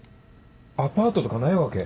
アパートとかないわけ？